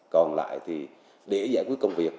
còn lại thì để giải quyết công việc